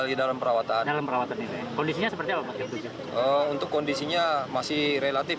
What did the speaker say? tujuh belas masih tujuh h dalam perawatan dalam perawatan itu kondisinya seperti untuk kondisinya masih relatif